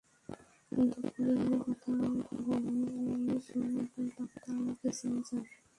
দুপুরের কথা ভাবো, ওরসন একাই পাক্কা কিসিঞ্জার।